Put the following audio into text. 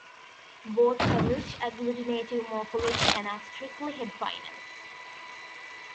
Both have rich agglutinative morphology and are strictly head-final.